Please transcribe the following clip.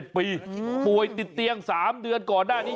ป่วยติดเตียง๓เดือนก่อนหน้านี้